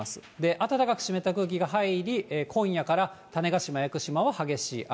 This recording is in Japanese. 暖かく湿った空気が入り、今夜から種子島・屋久島は激しい雨。